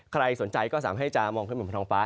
ใครสนใจก็สามารถให้จะมองขึ้นไปบนท้องฟ้า